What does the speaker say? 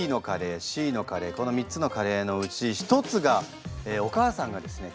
この３つのカレーのうち１つがお母さんがですね